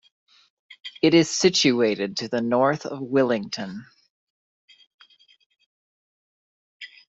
It is situated to the north of Willington.